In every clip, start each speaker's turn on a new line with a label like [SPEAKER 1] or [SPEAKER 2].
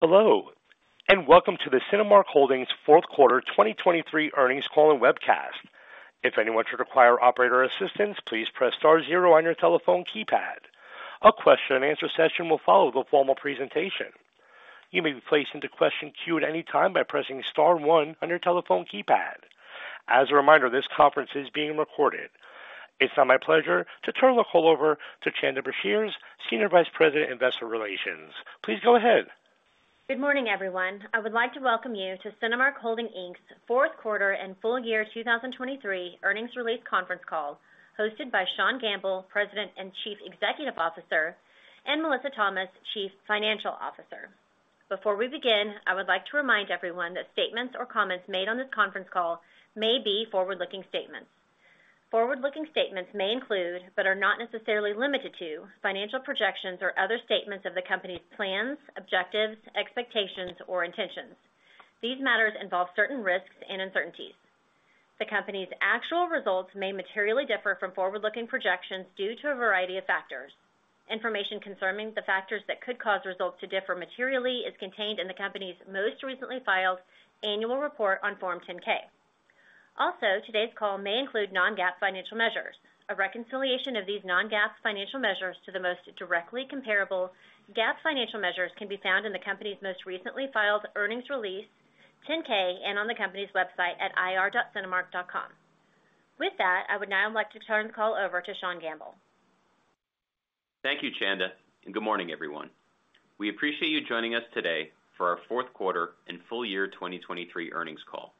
[SPEAKER 1] Hello, and welcome to the Cinemark Holdings Q4 2023 Earnings Call and Webcast. If anyone should require operator assistance, please press star zero on your telephone keypad. A question-and-answer session will follow the formal presentation. You may be placed into question queue at any time by pressing star one on your telephone keypad. As a reminder, this conference is being recorded. It's now my pleasure to turn the call over to Chanda Brashears, Senior Vice President Investor Relations. Please go ahead.
[SPEAKER 2] Good morning, everyone. I would like to welcome you to Cinemark Holdings Inc.'s Q4 and full year 2023 earnings release conference call, hosted by Sean Gamble, President and Chief Executive Officer, and Melissa Thomas, Chief Financial Officer. Before we begin, I would like to remind everyone that statements or comments made on this conference call may be forward-looking statements. Forward-looking statements may include but are not necessarily limited to financial projections or other statements of the company's plans, objectives, expectations, or intentions. These matters involve certain risks and uncertainties. The company's actual results may materially differ from forward-looking projections due to a variety of factors. Information concerning the factors that could cause results to differ materially is contained in the company's most recently filed annual report on Form 10-K. Also, today's call may include non-GAAP financial measures. A reconciliation of these non-GAAP financial measures to the most directly comparable GAAP financial measures can be found in the company's most recently filed earnings release, 10-K, and on the company's website at ir.cinemark.com. With that, I would now like to turn the call over to Sean Gamble.
[SPEAKER 3] Thank you, Chanda, and good morning, everyone. We appreciate you joining us today for our Q4 and full year 2023 earnings call.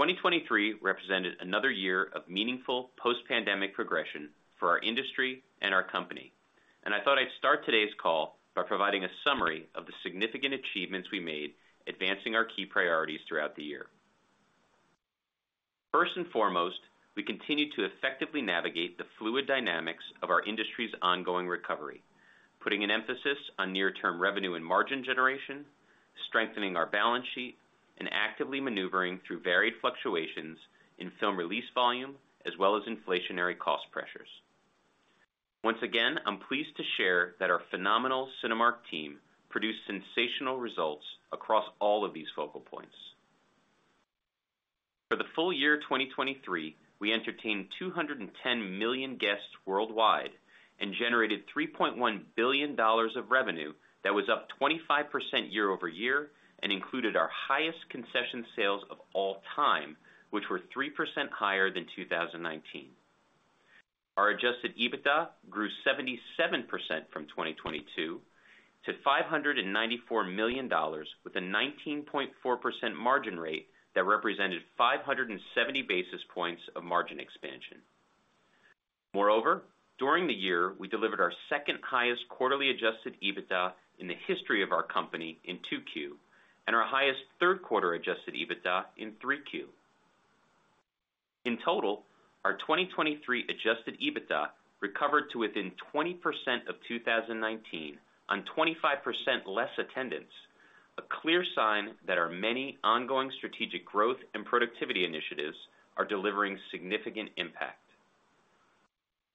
[SPEAKER 3] 2023 represented another year of meaningful post-pandemic progression for our industry and our company, and I thought I'd start today's call by providing a summary of the significant achievements we made advancing our key priorities throughout the year. First and foremost, we continue to effectively navigate the fluid dynamics of our industry's ongoing recovery, putting an emphasis on near-term revenue and margin generation, strengthening our balance sheet, and actively maneuvering through varied fluctuations in film release volume as well as inflationary cost pressures. Once again, I'm pleased to share that our phenomenal Cinemark team produced sensational results across all of these focal points. For the full year 2023, we entertained 210 million guests worldwide and generated $3.1 billion of revenue that was up 25% year-over-year and included our highest concession sales of all time, which were 3% higher than 2019. Our adjusted EBITDA grew 77% from 2022 to $594 million with a 19.4% margin rate that represented 570 basis points of margin expansion. Moreover, during the year, we delivered our second highest quarterly adjusted EBITDA in the history of our company in Q2 and our highest Q3 adjusted EBITDA in Q3. In total, our 2023 adjusted EBITDA recovered to within 20% of 2019 on 25% less attendance, a clear sign that our many ongoing strategic growth and productivity initiatives are delivering significant impact.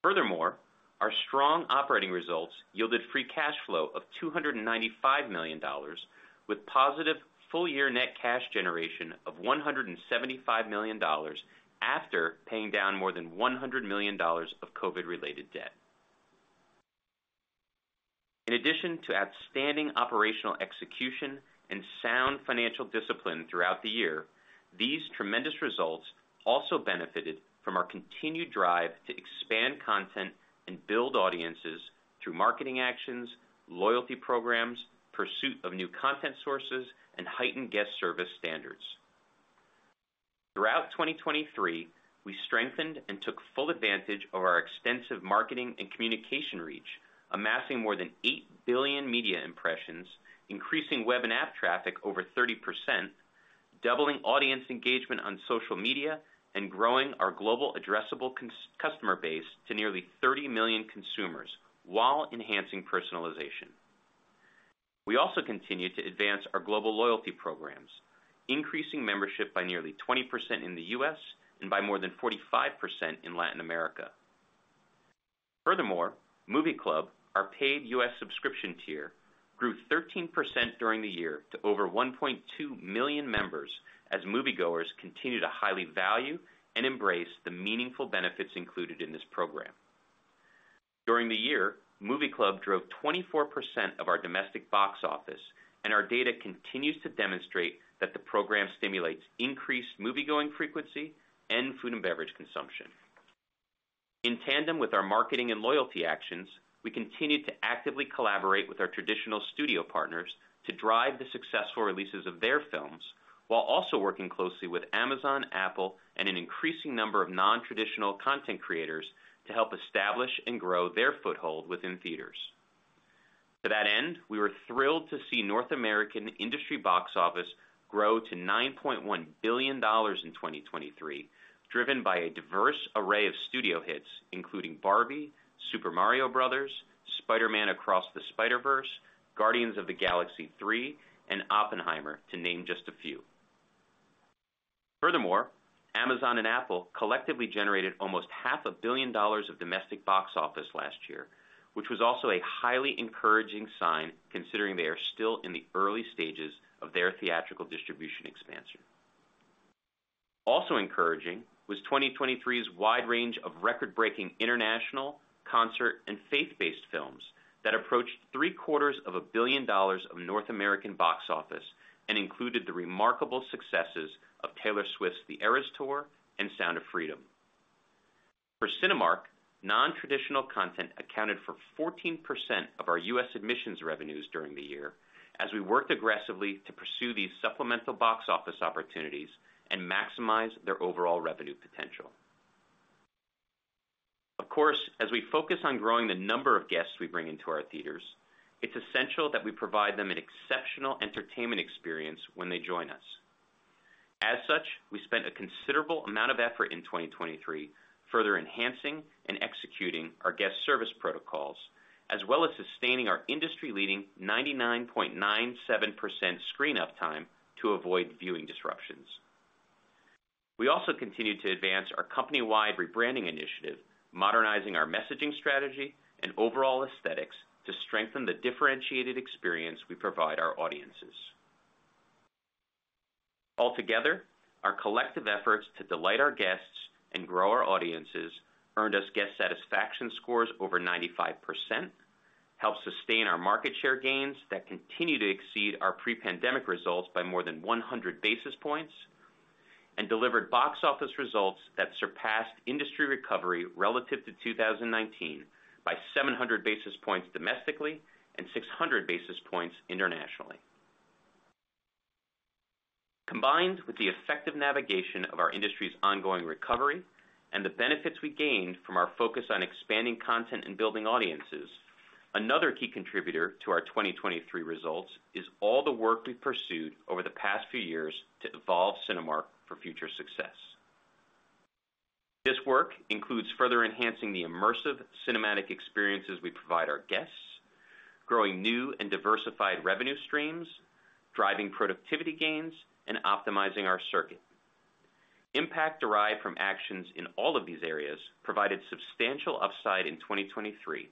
[SPEAKER 3] Furthermore, our strong operating results yielded free cash flow of $295 million with positive full-year net cash generation of $175 million after paying down more than $100 million of COVID-related debt. In addition to outstanding operational execution and sound financial discipline throughout the year, these tremendous results also benefited from our continued drive to expand content and build audiences through marketing actions, loyalty programs, pursuit of new content sources, and heightened guest service standards. Throughout 2023, we strengthened and took full advantage of our extensive marketing and communication reach, amassing more than 8 billion media impressions, increasing web and app traffic over 30%, doubling audience engagement on social media, and growing our global addressable customer base to nearly 30 million consumers while enhancing personalization. We also continue to advance our global loyalty programs, increasing membership by nearly 20% in the US and by more than 45% in Latin America. Furthermore, Movie Club, our paid US subscription tier, grew 13% during the year to over 1.2 million members as moviegoers continue to highly value and embrace the meaningful benefits included in this program. During the year, Movie Club drove 24% of our domestic box office, and our data continues to demonstrate that the program stimulates increased moviegoing frequency and food and beverage consumption. In tandem with our marketing and loyalty actions, we continue to actively collaborate with our traditional studio partners to drive the successful releases of their films while also working closely with Amazon, Apple, and an increasing number of non-traditional content creators to help establish and grow their foothold within theaters. To that end, we were thrilled to see North American industry box office grow to $9.1 billion in 2023, driven by a diverse array of studio hits, including Barbie, Super Mario Bros., Spider-Man: Across the Spider-Verse, Guardians of the Galaxy 3, and Oppenheimer, to name just a few. Furthermore, Amazon and Apple collectively generated almost $500 million of domestic box office last year, which was also a highly encouraging sign considering they are still in the early stages of their theatrical distribution expansion. Also encouraging was 2023's wide range of record-breaking international, concert, and faith-based films that approached $750 million of North American box office and included the remarkable successes of Taylor Swift's The Eras Tour and Sound of Freedom. For Cinemark, non-traditional content accounted for 14% of our US admissions revenues during the year as we worked aggressively to pursue these supplemental box office opportunities and maximize their overall revenue potential. Of course, as we focus on growing the number of guests we bring into our theaters, it's essential that we provide them an exceptional entertainment experience when they join us. As such, we spent a considerable amount of effort in 2023 further enhancing and executing our guest service protocols as well as sustaining our industry-leading 99.97% screen uptime to avoid viewing disruptions. We also continue to advance our company-wide rebranding initiative, modernizing our messaging strategy and overall aesthetics to strengthen the differentiated experience we provide our audiences. Altogether, our collective efforts to delight our guests and grow our audiences earned us guest satisfaction scores over 95%, helped sustain our market share gains that continue to exceed our pre-pandemic results by more than 100 basis points, and delivered box office results that surpassed industry recovery relative to 2019 by 700 basis points domestically and 600 basis points internationally. Combined with the effective navigation of our industry's ongoing recovery and the benefits we gained from our focus on expanding content and building audiences, another key contributor to our 2023 results is all the work we've pursued over the past few years to evolve Cinemark for future success. This work includes further enhancing the immersive cinematic experiences we provide our guests, growing new and diversified revenue streams, driving productivity gains, and optimizing our circuit. Impact derived from actions in all of these areas provided substantial upside in 2023,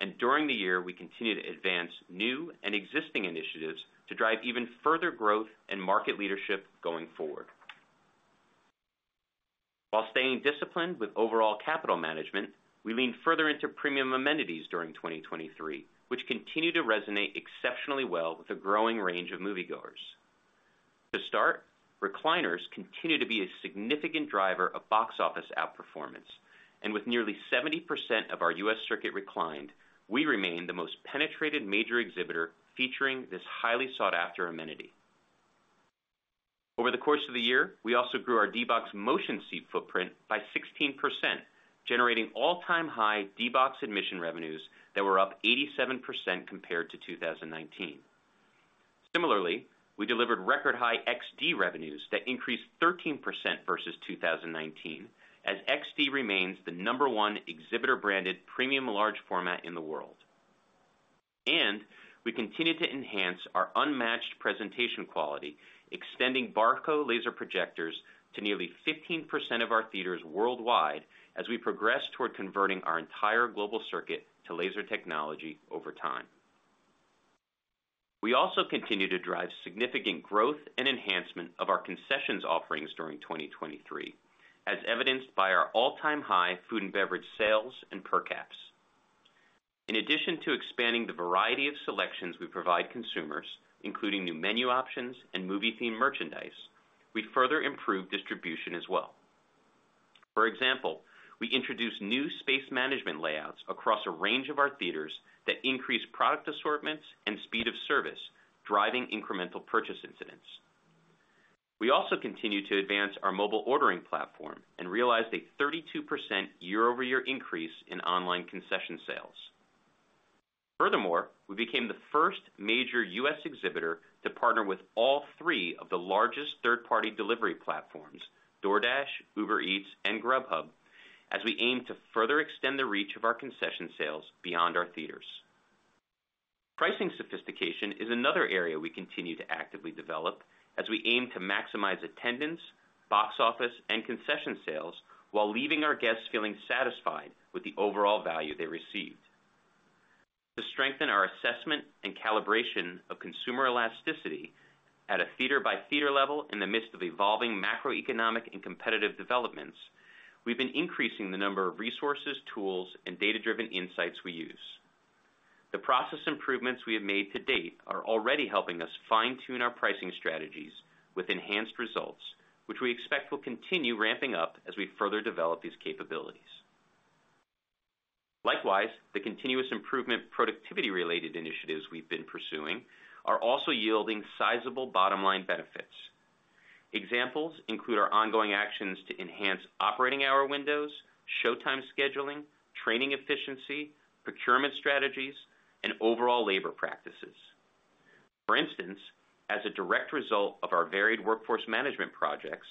[SPEAKER 3] and during the year, we continue to advance new and existing initiatives to drive even further growth and market leadership going forward. While staying disciplined with overall capital management, we lean further into premium amenities during 2023, which continue to resonate exceptionally well with a growing range of moviegoers. To start, recliners continue to be a significant driver of box office outperformance, and with nearly 70% of our US circuit reclined, we remain the most penetrated major exhibitor featuring this highly sought-after amenity. Over the course of the year, we also grew our D-BOX motion seat footprint by 16%, generating all-time high D-BOX admission revenues that were up 87% compared to 2019. Similarly, we delivered record-high XD revenues that increased 13% versus 2019 as XD remains the number one exhibitor-branded premium large format in the world. We continue to enhance our unmatched presentation quality, extending Barco laser projectors to nearly 15% of our theaters worldwide as we progress toward converting our entire global circuit to laser technology over time. We also continue to drive significant growth and enhancement of our concessions offerings during 2023, as evidenced by our all-time high food and beverage sales and per caps. In addition to expanding the variety of selections we provide consumers, including new menu options and movie-themed merchandise, we further improve distribution as well. For example, we introduce new space management layouts across a range of our theaters that increase product assortments and speed of service, driving incremental purchase incidents. We also continue to advance our mobile ordering platform and realized a 32% year-over-year increase in online concession sales. Furthermore, we became the first major US exhibitor to partner with all three of the largest third-party delivery platforms, DoorDash, Uber Eats, and Grubhub, as we aim to further extend the reach of our concession sales beyond our theaters. Pricing sophistication is another area we continue to actively develop as we aim to maximize attendance, box office, and concession sales while leaving our guests feeling satisfied with the overall value they received. To strengthen our assessment and calibration of consumer elasticity at a theater-by-theater level in the midst of evolving macroeconomic and competitive developments, we've been increasing the number of resources, tools, and data-driven insights we use. The process improvements we have made to date are already helping us fine-tune our pricing strategies with enhanced results, which we expect will continue ramping up as we further develop these capabilities. Likewise, the continuous improvement productivity-related initiatives we've been pursuing are also yielding sizable bottom-line benefits. Examples include our ongoing actions to enhance operating hour windows, showtime scheduling, training efficiency, procurement strategies, and overall labor practices. For instance, as a direct result of our varied workforce management projects,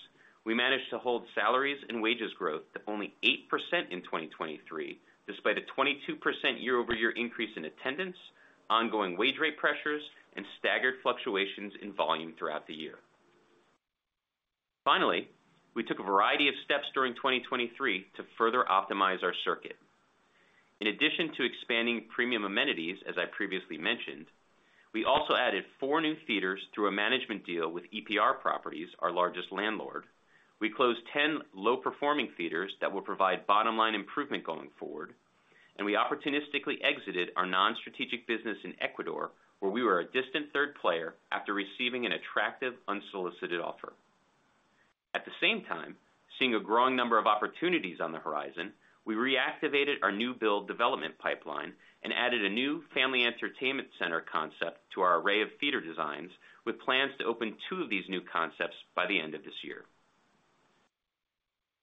[SPEAKER 3] we managed to hold salaries and wages growth to only 8% in 2023 despite a 22% year-over-year increase in attendance, ongoing wage-rate pressures, and staggered fluctuations in volume throughout the year. Finally, we took a variety of steps during 2023 to further optimize our circuit. In addition to expanding premium amenities, as I previously mentioned, we also added four new theaters through a management deal with EPR Properties, our largest landlord. We closed 10 low-performing theaters that will provide bottom-line improvement going forward, and we opportunistically exited our non-strategic business in Ecuador, where we were a distant third player after receiving an attractive unsolicited offer. At the same time, seeing a growing number of opportunities on the horizon, we reactivated our new build development pipeline and added a new family entertainment center concept to our array of theater designs with plans to open 2 of these new concepts by the end of this year.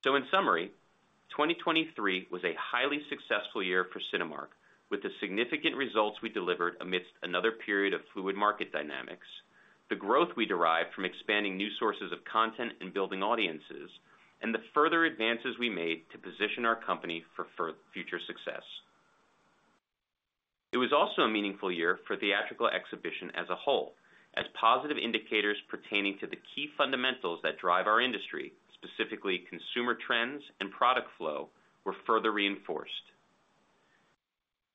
[SPEAKER 3] So in summary, 2023 was a highly successful year for Cinemark with the significant results we delivered amidst another period of fluid market dynamics, the growth we derived from expanding new sources of content and building audiences, and the further advances we made to position our company for future success. It was also a meaningful year for theatrical exhibition as a whole, as positive indicators pertaining to the key fundamentals that drive our industry, specifically consumer trends and product flow, were further reinforced.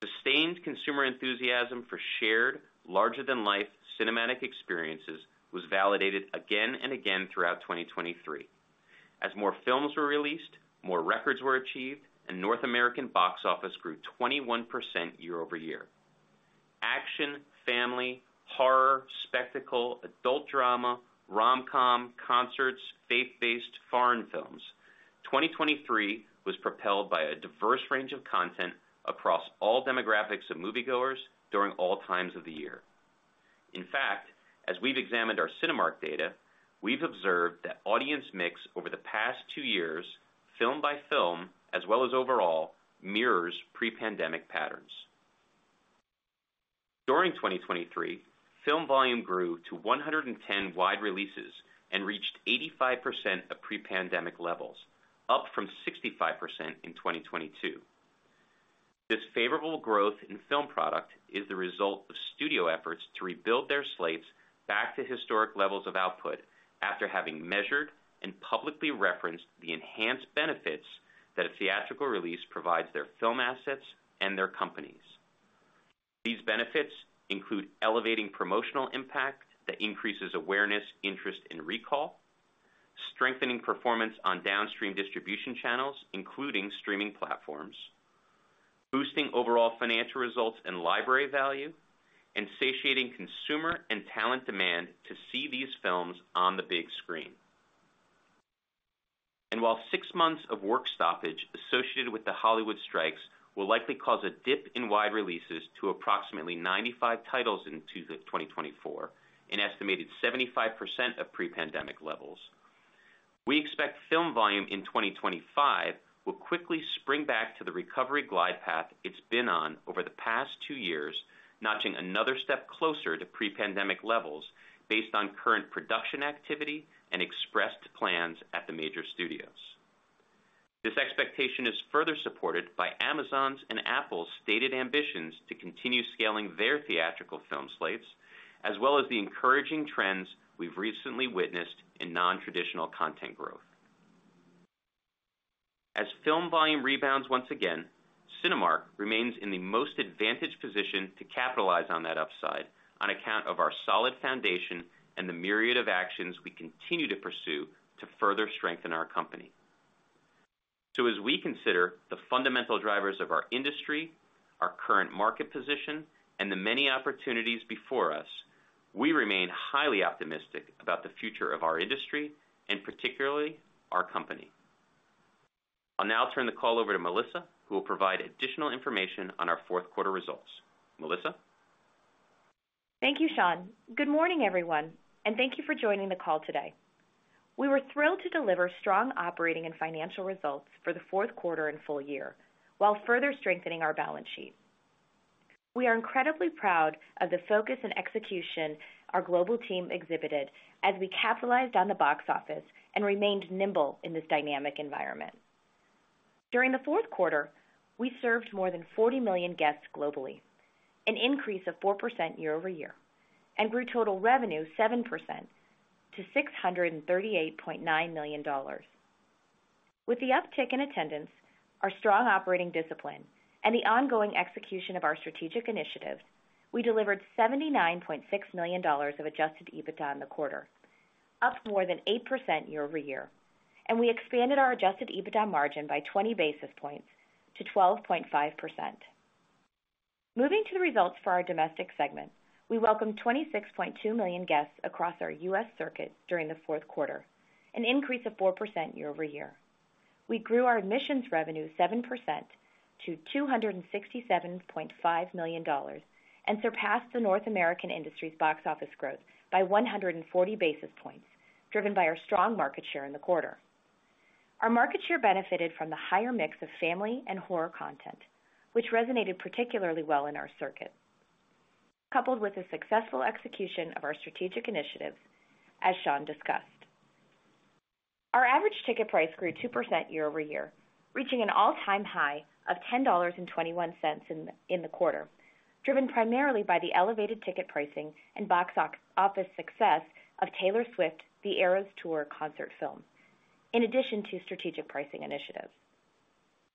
[SPEAKER 3] Sustained consumer enthusiasm for shared, larger-than-life cinematic experiences was validated again and again throughout 2023, as more films were released, more records were achieved, and North American box office grew 21% year-over-year. Action, family, horror, spectacle, adult drama, rom-com, concerts, faith-based foreign films: 2023 was propelled by a diverse range of content across all demographics of moviegoers during all times of the year. In fact, as we've examined our Cinemark data, we've observed that audience mix over the past two years, film by film as well as overall, mirrors pre-pandemic patterns. During 2023, film volume grew to 110 wide releases and reached 85% of pre-pandemic levels, up from 65% in 2022. This favorable growth in film product is the result of studio efforts to rebuild their slates back to historic levels of output after having measured and publicly referenced the enhanced benefits that a theatrical release provides their film assets and their companies. These benefits include elevating promotional impact that increases awareness, interest, and recall, strengthening performance on downstream distribution channels, including streaming platforms, boosting overall financial results and library value, and satiating consumer and talent demand to see these films on the big screen. While six months of work stoppage associated with the Hollywood strikes will likely cause a dip in wide releases to approximately 95 titles in 2024, an estimated 75% of pre-pandemic levels, we expect film volume in 2025 will quickly spring back to the recovery glide path it's been on over the past two years, notching another step closer to pre-pandemic levels based on current production activity and expressed plans at the major studios. This expectation is further supported by Amazon's and Apple's stated ambitions to continue scaling their theatrical film slates, as well as the encouraging trends we've recently witnessed in non-traditional content growth. As film volume rebounds once again, Cinemark remains in the most advantaged position to capitalize on that upside on account of our solid foundation and the myriad of actions we continue to pursue to further strengthen our company. So as we consider the fundamental drivers of our industry, our current market position, and the many opportunities before us, we remain highly optimistic about the future of our industry and particularly our company. I'll now turn the call over to Melissa, who will provide additional information on our fourth-quarter results. Melissa?
[SPEAKER 4] Thank you, Sean. Good morning, everyone, and thank you for joining the call today. We were thrilled to deliver strong operating and financial results for the Q4 and full year while further strengthening our balance sheet. We are incredibly proud of the focus and execution our global team exhibited as we capitalized on the box office and remained nimble in this dynamic environment. During the Q4, we served more than 40 million guests globally, an increase of 4% year-over-year, and grew total revenue 7% to $638.9 million. With the uptick in attendance, our strong operating discipline, and the ongoing execution of our strategic initiatives, we delivered $79.6 million of adjusted EBITDA in the quarter, up more than 8% year-over-year, and we expanded our adjusted EBITDA margin by 20 basis points to 12.5%. Moving to the results for our domestic segment, we welcomed 26.2 million guests across our US circuit during the Q4, an increase of 4% year-over-year. We grew our admissions revenue 7% to $267.5 million and surpassed the North American industry's box office growth by 140 basis points, driven by our strong market share in the quarter. Our market share benefited from the higher mix of family and horror content, which resonated particularly well in our circuit, coupled with the successful execution of our strategic initiatives, as Sean discussed. Our average ticket price grew 2% year-over-year, reaching an all-time high of $10.21 in the quarter, driven primarily by the elevated ticket pricing and box office success of Taylor Swift: The Eras Tour concert film, in addition to strategic pricing initiatives.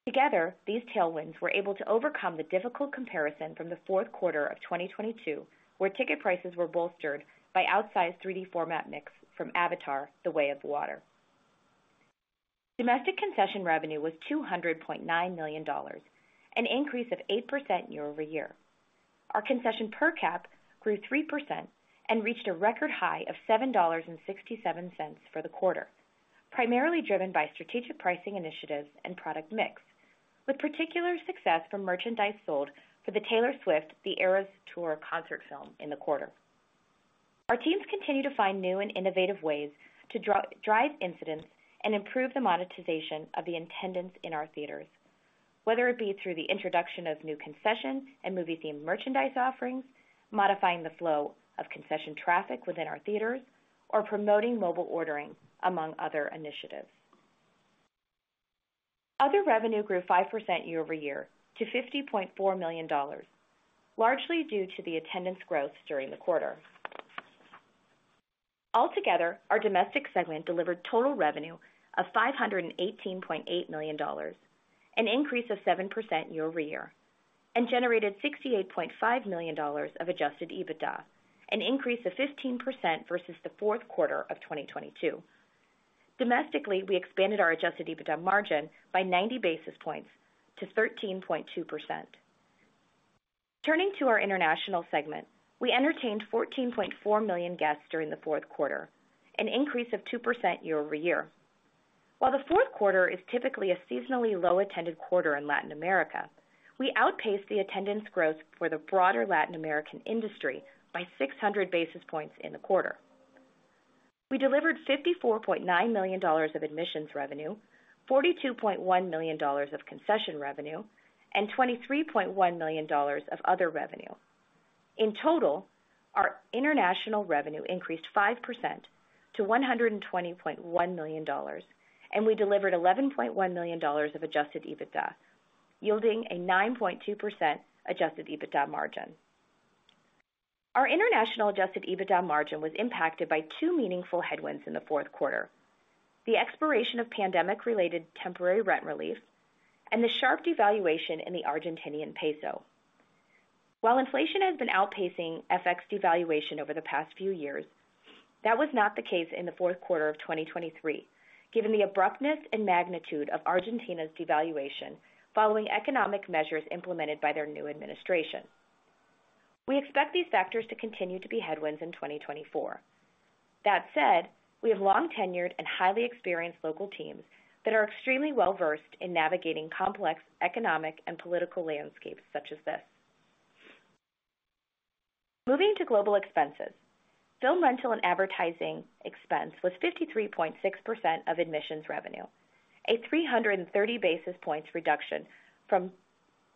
[SPEAKER 4] Together, these tailwinds were able to overcome the difficult comparison from the Q4 of 2022, where ticket prices were bolstered by outsized 3D format mix from Avatar: The Way of Water. Domestic concession revenue was $200.9 million, an increase of 8% year over year. Our concession per cap grew 3% and reached a record high of $7.67 for the quarter, primarily driven by strategic pricing initiatives and product mix, with particular success from merchandise sold for the Taylor Swift: The Eras Tour concert film in the quarter. Our teams continue to find new and innovative ways to drive incidents and improve the monetization of the attendance in our theaters, whether it be through the introduction of new concession and movie-themed merchandise offerings, modifying the flow of concession traffic within our theaters, or promoting mobile ordering, among other initiatives. Other revenue grew 5% year-over-year to $50.4 million, largely due to the attendance growth during the quarter. Altogether, our domestic segment delivered total revenue of $518.8 million, an increase of 7% year-over-year, and generated $68.5 million of Adjusted EBITDA, an increase of 15% versus the Q4 of 2022. Domestically, we expanded our Adjusted EBITDA margin by 90 basis points to 13.2%. Turning to our international segment, we entertained 14.4 million guests during the Q4, an increase of 2% year-over-year. While the Q4 is typically a seasonally low-attended quarter in Latin America, we outpaced the attendance growth for the broader Latin American industry by 600 basis points in the quarter. We delivered $54.9 million of admissions revenue, $42.1 million of concession revenue, and $23.1 million of other revenue. In total, our international revenue increased 5% to $120.1 million, and we delivered $11.1 million of adjusted EBITDA, yielding a 9.2% adjusted EBITDA margin. Our international adjusted EBITDA margin was impacted by two meaningful headwinds in the Q4: the expiration of pandemic-related temporary rent relief and the sharp devaluation in the Argentine peso. While inflation has been outpacing FX devaluation over the past few years, that was not the case in the Q4 of 2023, given the abruptness and magnitude of Argentina's devaluation following economic measures implemented by their new administration. We expect these factors to continue to be headwinds in 2024. That said, we have long-tenured and highly experienced local teams that are extremely well-versed in navigating complex economic and political landscapes such as this. Moving to global expenses, film rental and advertising expense was 53.6% of admissions revenue, a 330 basis points reduction from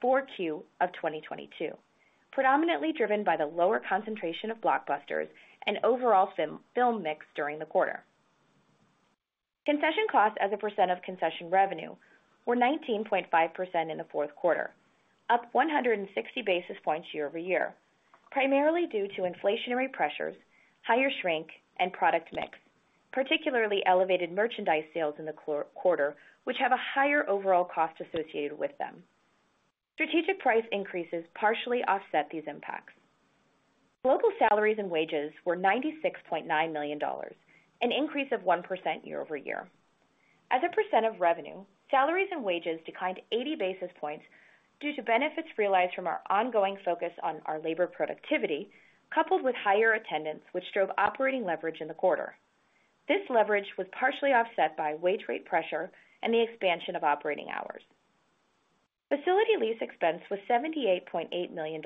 [SPEAKER 4] Q4 of 2022, predominantly driven by the lower concentration of blockbusters and overall film mix during the quarter. Concession costs as a percent of concession revenue were 19.5% in the Q4, up 160 basis points year-over-year, primarily due to inflationary pressures, higher shrink, and product mix, particularly elevated merchandise sales in the quarter, which have a higher overall cost associated with them. Strategic price increases partially offset these impacts. Global salaries and wages were $96.9 million, an increase of 1% year-over-year. As a percent of revenue, salaries and wages declined 80 basis points due to benefits realized from our ongoing focus on our labor productivity, coupled with higher attendance, which drove operating leverage in the quarter. This leverage was partially offset by wage rate pressure and the expansion of operating hours. Facility lease expense was $78.8 million,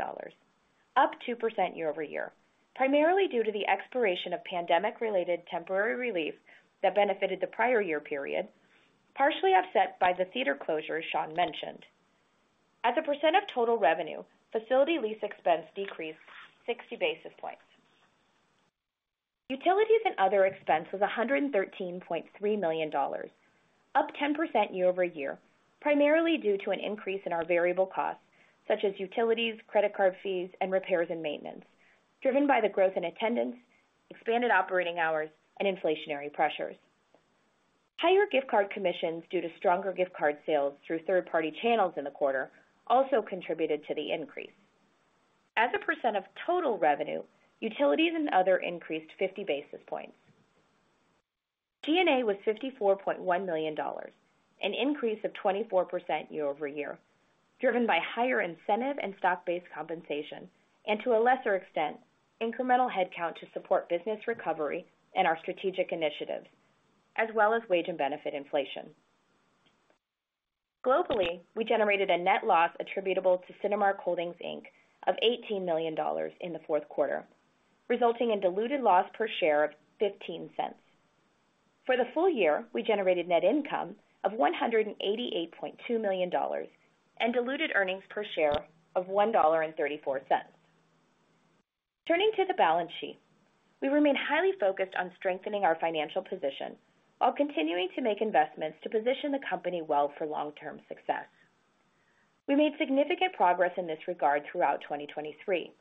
[SPEAKER 4] up 2% year-over-year, primarily due to the expiration of pandemic-related temporary relief that benefited the prior year period, partially offset by the theater closures Sean mentioned. As a percent of total revenue, facility lease expense decreased 60 basis points. Utilities and other expense was $113.3 million, up 10% year-over-year, primarily due to an increase in our variable costs, such as utilities, credit card fees, and repairs and maintenance, driven by the growth in attendance, expanded operating hours, and inflationary pressures. Higher gift card commissions due to stronger gift card sales through third-party channels in the quarter also contributed to the increase. As a percent of total revenue, utilities and other increased 50 basis points. G&A was $54.1 million, an increase of 24% year-over-year, driven by higher incentive and stock-based compensation, and to a lesser extent, incremental headcount to support business recovery and our strategic initiatives, as well as wage and benefit inflation. Globally, we generated a net loss attributable to Cinemark Holdings, Inc., of $18 million in the Q4, resulting in diluted loss per share of $0.15. For the full year, we generated net income of $188.2 million and diluted earnings per share of $1.34. Turning to the balance sheet, we remain highly focused on strengthening our financial position while continuing to make investments to position the company well for long-term success. We made significant progress in this regard throughout 2023.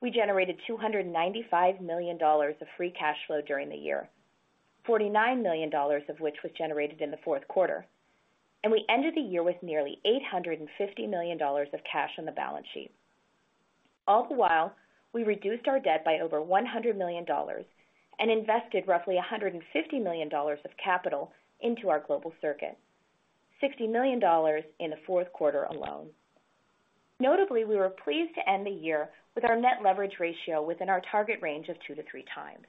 [SPEAKER 4] We generated $295 million of free cash flow during the year, $49 million of which was generated in the Q4, and we ended the year with nearly $850 million of cash on the balance sheet. All the while, we reduced our debt by over $100 million and invested roughly $150 million of capital into our global circuit, $60 million in the Q4 alone. Notably, we were pleased to end the year with our net leverage ratio within our target range of two to three times.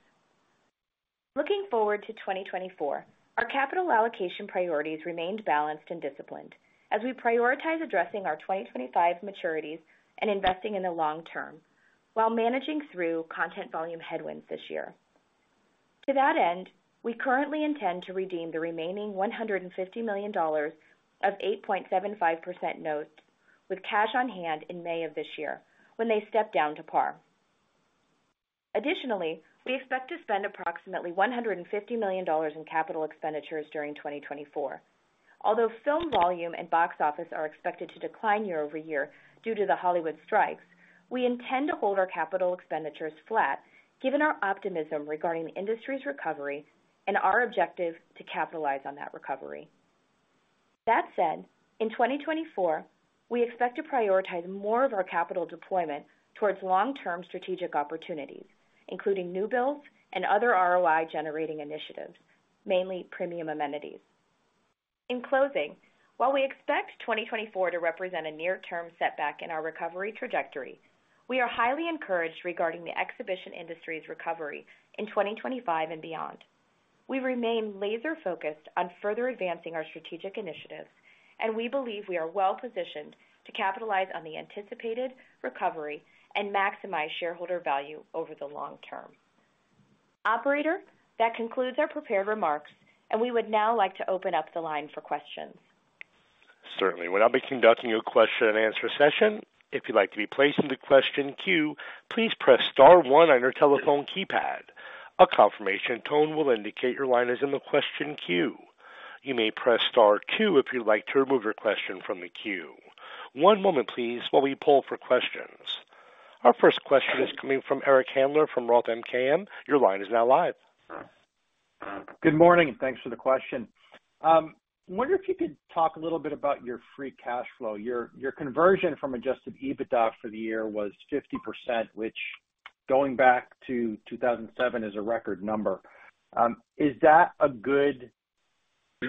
[SPEAKER 4] Looking forward to 2024, our capital allocation priorities remained balanced and disciplined as we prioritized addressing our 2025 maturities and investing in the long term while managing through content volume headwinds this year. To that end, we currently intend to redeem the remaining $150 million of 8.75% notes with cash on hand in May of this year when they step down to par. Additionally, we expect to spend approximately $150 million in capital expenditures during 2024. Although film volume and box office are expected to decline year-over-year due to the Hollywood strikes, we intend to hold our capital expenditures flat given our optimism regarding the industry's recovery and our objective to capitalize on that recovery. That said, in 2024, we expect to prioritize more of our capital deployment towards long-term strategic opportunities, including new builds and other ROI-generating initiatives, mainly premium amenities. In closing, while we expect 2024 to represent a near-term setback in our recovery trajectory, we are highly encouraged regarding the exhibition industry's recovery in 2025 and beyond. We remain laser-focused on further advancing our strategic initiatives, and we believe we are well-positioned to capitalize on the anticipated recovery and maximize shareholder value over the long term. Operator, that concludes our prepared remarks, and we would now like to open up the line for questions.
[SPEAKER 1] Certainly. We'll now be conducting a question-and-answer session. If you'd like to be placed in the question queue, please press star one on your telephone keypad. A confirmation tone will indicate your line is in the question queue. You may press star two if you'd like to remove your question from the queue. One moment, please, while we pull for questions. Our first question is coming from Eric Handler from Roth MKM. Your line is now live.
[SPEAKER 5] Good morning, and thanks for the question. I wonder if you could talk a little bit about your free cash flow. Your conversion from Adjusted EBITDA for the year was 50%, which, going back to 2007, is a record number. Is that a good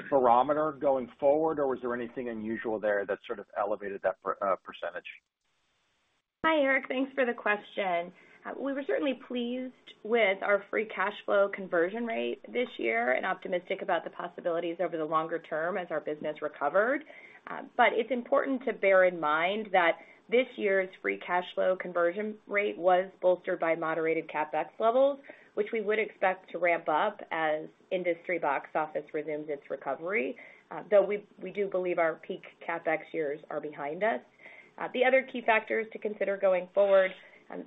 [SPEAKER 5] barometer going forward, or was there anything unusual there that sort of elevated that percentage?
[SPEAKER 4] Hi, Eric. Thanks for the question. We were certainly pleased with our free cash flow conversion rate this year and optimistic about the possibilities over the longer term as our business recovered. But it's important to bear in mind that this year's free cash flow conversion rate was bolstered by moderated CapEx levels, which we would expect to ramp up as industry box office resumes its recovery, though we do believe our peak CapEx years are behind us. The other key factors to consider going forward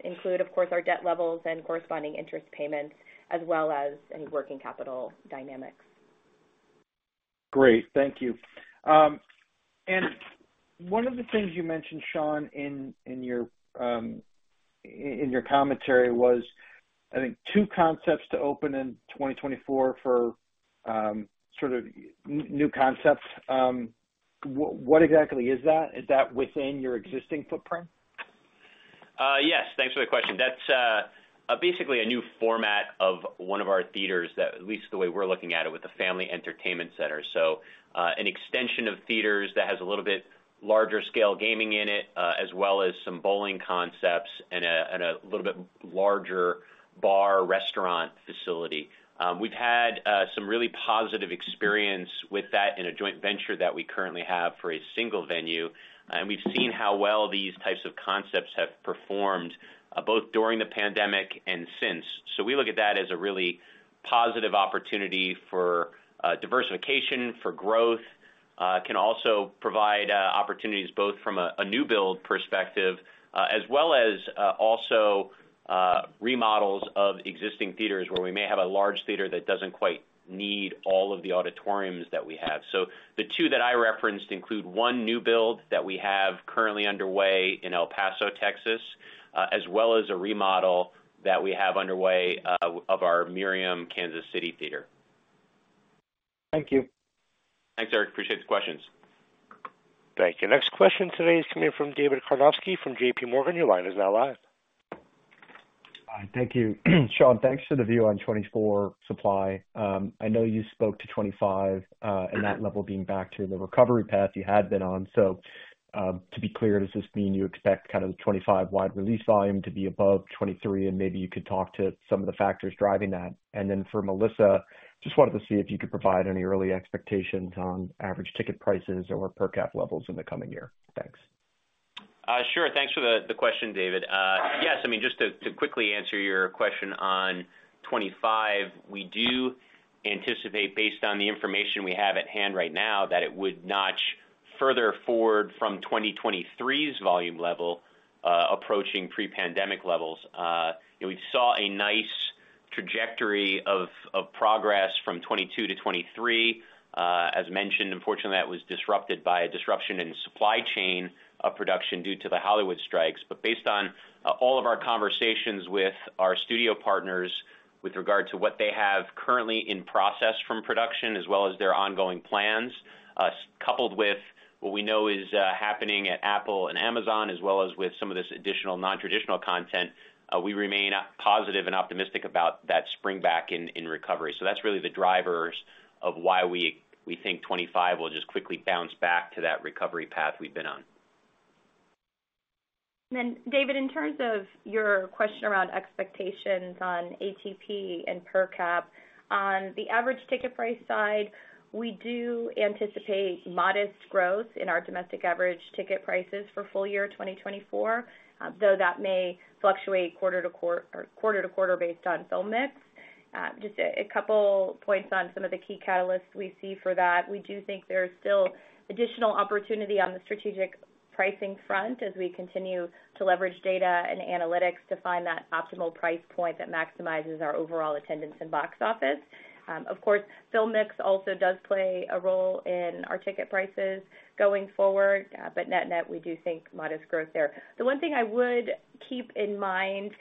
[SPEAKER 4] include, of course, our debt levels and corresponding interest payments, as well as any working capital dynamics.
[SPEAKER 5] Great. Thank you. One of the things you mentioned, Sean, in your commentary was, I think, two concepts to open in 2024 for sort of new concepts. What exactly is that? Is that within your existing footprint?
[SPEAKER 3] Yes. Thanks for the question. That's basically a new format of one of our theaters that, at least the way we're looking at it, with the family entertainment center. So an extension of theaters that has a little bit larger-scale gaming in it, as well as some bowling concepts and a little bit larger bar/restaurant facility. We've had some really positive experience with that in a joint venture that we currently have for a single venue, and we've seen how well these types of concepts have performed both during the pandemic and since. So we look at that as a really positive opportunity for diversification, for growth. It can also provide opportunities both from a new build perspective, as well as also remodels of existing theaters where we may have a large theater that doesn't quite need all of the auditoriums that we have. So the two that I referenced include one new build that we have currently underway in El Paso, Texas, as well as a remodel that we have underway of our Merriam Kansas City theater.
[SPEAKER 5] Thank you.
[SPEAKER 3] Thanks, Eric. Appreciate the questions.
[SPEAKER 1] Thank you. Next question today is coming from David Karnovsky from JP Morgan. Your line is now live.
[SPEAKER 6] Thank you, Sean. Thanks for the view on 2024 supply. I know you spoke to 2025 and that level being back to the recovery path you had been on. So to be clear, does this mean you expect kind of the 2025 wide release volume to be above 2023, and maybe you could talk to some of the factors driving that? And then for Melissa, just wanted to see if you could provide any early expectations on average ticket prices or per cap levels in the coming year. Thanks.
[SPEAKER 3] Sure. Thanks for the question, David. Yes. I mean, just to quickly answer your question on 2025, we do anticipate, based on the information we have at hand right now, that it would notch further forward from 2023's volume level approaching pre-pandemic levels. We saw a nice trajectory of progress from 2022 to 2023. As mentioned, unfortunately, that was disrupted by a disruption in supply chain of production due to the Hollywood strikes. But based on all of our conversations with our studio partners with regard to what they have currently in process from production, as well as their ongoing plans, coupled with what we know is happening at Apple and Amazon, as well as with some of this additional non-traditional content, we remain positive and optimistic about that springback in recovery. That's really the drivers of why we think 2025 will just quickly bounce back to that recovery path we've been on.
[SPEAKER 4] Then, David, in terms of your question around expectations on ATP and per cap, on the average ticket price side, we do anticipate modest growth in our domestic average ticket prices for full year 2024, though that may fluctuate quarter-to-quarter based on film mix. Just a couple points on some of the key catalysts we see for that. We do think there's still additional opportunity on the strategic pricing front as we continue to leverage data and analytics to find that optimal price point that maximizes our overall attendance and box office. Of course, film mix also does play a role in our ticket prices going forward, but net-net, we do think modest growth there. The one thing I would keep in mind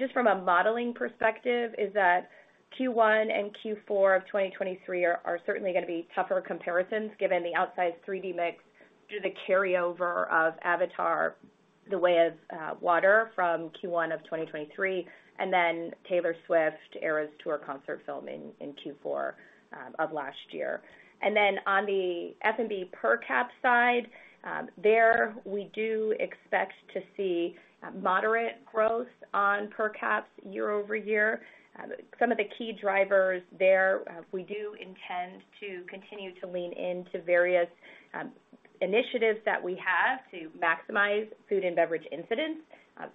[SPEAKER 4] just from a modeling perspective is that Q1 and Q4 of 2023 are certainly going to be tougher comparisons given the outsized 3D mix due to the carryover of Avatar: The Way of Water from Q1 of 2023 and then Taylor Swift: Eras Tour concert film in Q4 of last year. Then on the F&B per cap side, there, we do expect to see moderate growth on per caps year over year. Some of the key drivers there, we do intend to continue to lean into various initiatives that we have to maximize food and beverage incidents.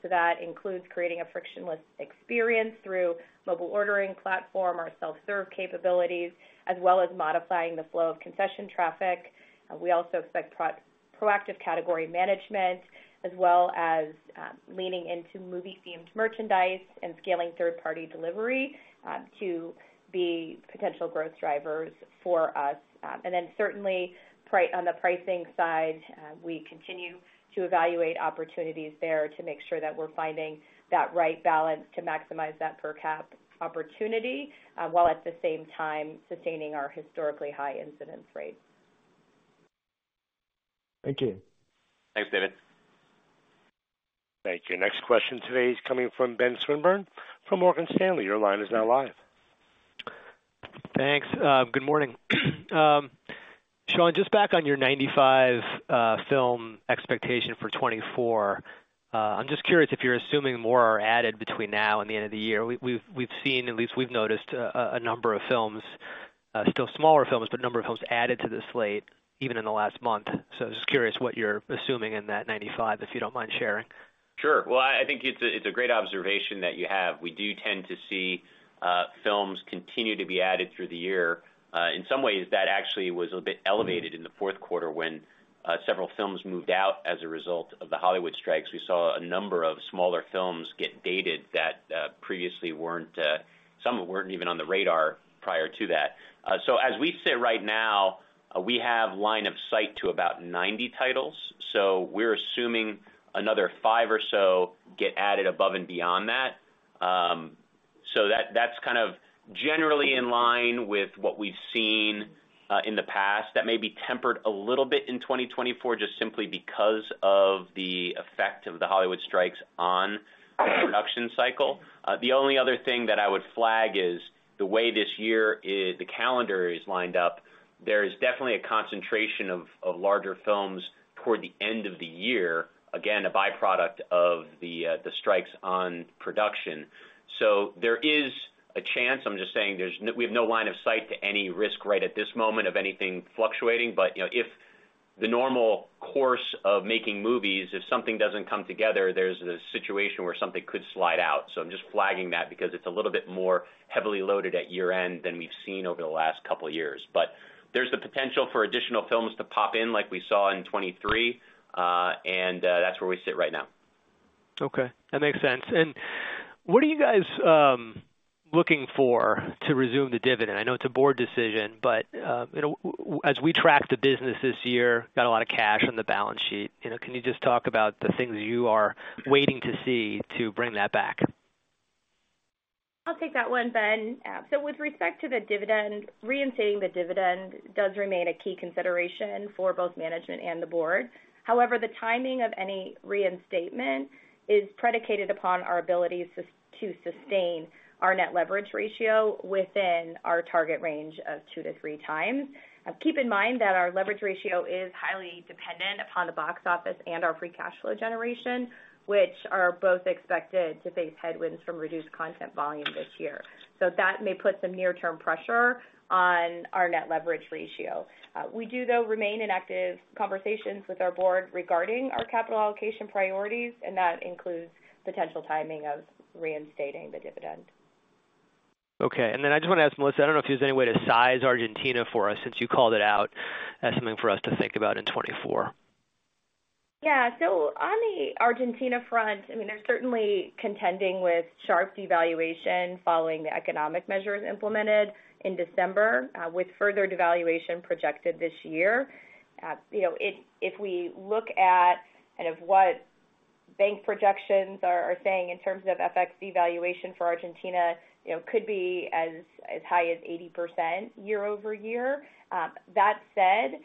[SPEAKER 4] That includes creating a frictionless experience through mobile ordering platform or self-serve capabilities, as well as modifying the flow of concession traffic. We also expect proactive category management, as well as leaning into movie-themed merchandise and scaling third-party delivery to be potential growth drivers for us. And then certainly, on the pricing side, we continue to evaluate opportunities there to make sure that we're finding that right balance to maximize that per cap opportunity while at the same time sustaining our historically high incidence rate.
[SPEAKER 6] Thank you.
[SPEAKER 3] Thanks, David.
[SPEAKER 1] Thank you. Next question today is coming from Ben Swinburne from Morgan Stanley. Your line is now live.
[SPEAKER 7] Thanks. Good morning. Sean, just back on your 95 film expectation for 2024, I'm just curious if you're assuming more are added between now and the end of the year. We've seen, at least we've noticed, a number of films still smaller films, but a number of films added to this slate even in the last month. So I'm just curious what you're assuming in that 95, if you don't mind sharing.
[SPEAKER 3] Sure. Well, I think it's a great observation that you have. We do tend to see films continue to be added through the year. In some ways, that actually was a bit elevated in the Q4 when several films moved out as a result of the Hollywood strikes. We saw a number of smaller films get dated that previously weren't; some weren't even on the radar prior to that. So as we sit right now, we have line of sight to about 90 titles. So we're assuming another 5 or so get added above and beyond that. So that's kind of generally in line with what we've seen in the past that may be tempered a little bit in 2024 just simply because of the effect of the Hollywood strikes on the production cycle. The only other thing that I would flag is the way this year the calendar is lined up. There is definitely a concentration of larger films toward the end of the year, again, a byproduct of the strikes on production. So there is a chance. I'm just saying we have no line of sight to any risk right at this moment of anything fluctuating. But if the normal course of making movies, if something doesn't come together, there's a situation where something could slide out. So I'm just flagging that because it's a little bit more heavily loaded at year-end than we've seen over the last couple of years. But there's the potential for additional films to pop in like we saw in 2023, and that's where we sit right now.
[SPEAKER 7] Okay. That makes sense. What are you guys looking for to resume the dividend? I know it's a board decision, but as we track the business this year, got a lot of cash on the balance sheet. Can you just talk about the things you are waiting to see to bring that back?
[SPEAKER 4] I'll take that one, Ben. With respect to the dividend, reinstating the dividend does remain a key consideration for both management and the board. However, the timing of any reinstatement is predicated upon our ability to sustain our Net Leverage Ratio within our target range of 2 to 3x. Keep in mind that our leverage ratio is highly dependent upon the Box Office and our Free Cash Flow generation, which are both expected to face headwinds from reduced content volume this year. That may put some near-term pressure on our Net Leverage Ratio. We do, though, remain in active conversations with our board regarding our capital allocation priorities, and that includes potential timing of reinstating the dividend.
[SPEAKER 7] Okay. And then I just want to ask Melissa, I don't know if there's any way to size Argentina for us since you called it out as something for us to think about in 2024?
[SPEAKER 4] Yeah. So on the Argentina front, I mean, they're certainly contending with sharp devaluation following the economic measures implemented in December with further devaluation projected this year. If we look at kind of what bank projections are saying in terms of FX devaluation for Argentina, [it] could be as high as 80% year-over-year. That said,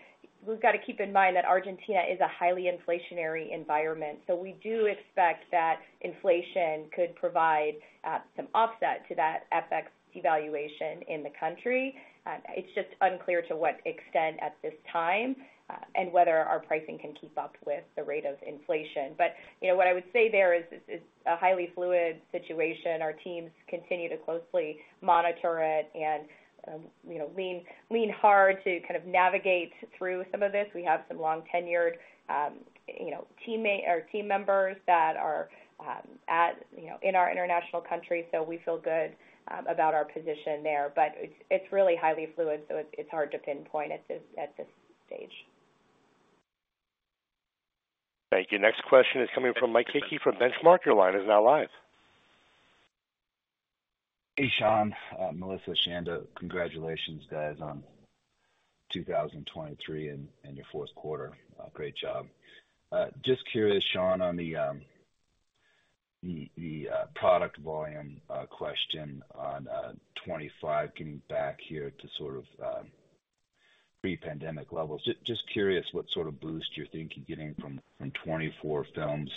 [SPEAKER 4] we've got to keep in mind that Argentina is a highly inflationary environment. So we do expect that inflation could provide some offset to that FX devaluation in the country. It's just unclear to what extent at this time and whether our pricing can keep up with the rate of inflation. But what I would say there is it's a highly fluid situation. Our teams continue to closely monitor it and lean hard to kind of navigate through some of this. We have some long-tenured team members that are in our international country, so we feel good about our position there. But it's really highly fluid, so it's hard to pinpoint at this stage.
[SPEAKER 1] Thank you. Next question is coming from Mike Hickey from Benchmark. Your line is now live.
[SPEAKER 8] Hey, Sean. Melissa, Chanda, congratulations, guys, on 2023 and your Q4. Great job. Just curious, Sean, on the product volume question on 2025 getting back here to sort of pre-pandemic levels, just curious what sort of boost you're thinking getting from 2024 films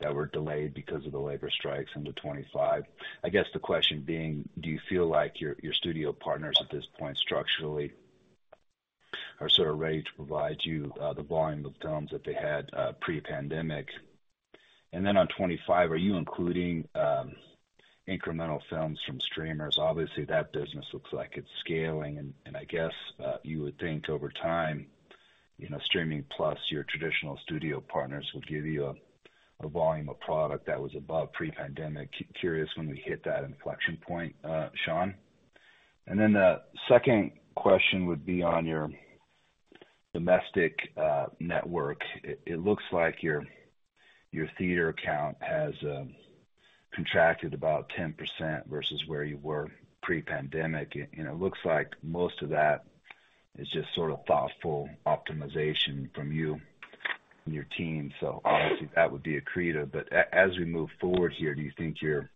[SPEAKER 8] that were delayed because of the labor strikes into 2025. I guess the question being, do you feel like your studio partners at this point structurally are sort of ready to provide you the volume of films that they had pre-pandemic? And then on 2025, are you including incremental films from streamers? Obviously, that business looks like it's scaling, and I guess you would think over time, streaming plus your traditional studio partners would give you a volume of product that was above pre-pandemic. Curious when we hit that inflection point, Sean. And then the second question would be on your domestic network. It looks like your theater account has contracted about 10% versus where you were pre-pandemic. It looks like most of that is just sort of thoughtful optimization from you and your team. Obviously, that would be accretive. As we move forward here, do you think you're